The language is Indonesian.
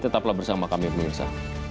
tetaplah bersama kami pak mirsa